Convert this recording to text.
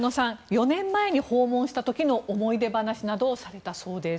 ４年前に訪問した時の思い出話などをされたそうです。